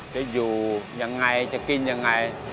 จะอยู่อย่างไรจะกินอย่างไร